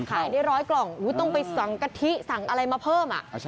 ขายได้๑๐๐กล่องต้องไปสั่งกะทิสั่งอะไรมาเพิ่ม